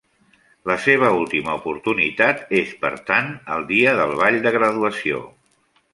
La seva última oportunitat és, per tant, el dia del ball de graduació.